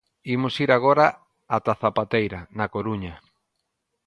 Imos ir agora ata A Zapateira, na Coruña.